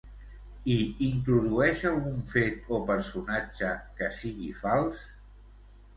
Hi introdueix algun fet o personatge que sigui fals?